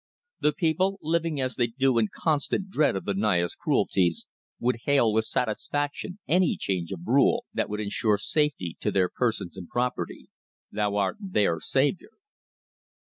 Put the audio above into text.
The people, living as they do in constant dread of the Naya's cruelties, would hail with satisfaction any change of rule that would ensure safety to their persons and property. Thou art their saviour."